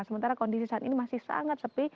sementara kondisi saat ini masih sangat sepi